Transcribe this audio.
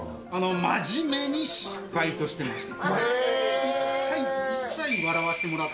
真面目にバイトしてました。